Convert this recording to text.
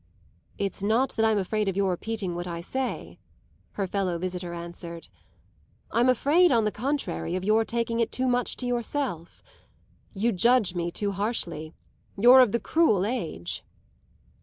"It's not that I'm afraid of your repeating what I say," her fellow visitor answered; "I'm afraid, on the contrary, of your taking it too much to yourself. You'd judge me too harshly; you're of the cruel age."